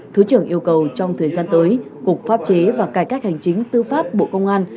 thứ trưởng yêu cầu trong thời gian tới cục pháp chế và cải cách hành chính tư pháp bộ công an